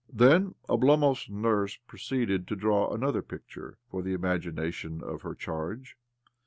Then Oblomov's nurse proceeded to diraw another picture for the imagination of her charge.